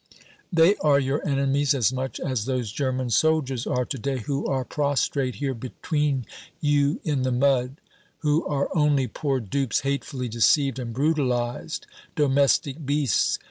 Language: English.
They are your enemies as much as those German soldiers are to day who are prostrate here between you in the mud, who are only poor dupes hatefully deceived and brutalized, domestic beasts.